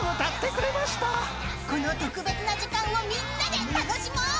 ［この特別な時間をみんなで楽しもう］